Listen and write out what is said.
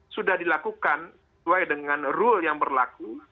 sudah dilakukan sesuai dengan rule yang berlaku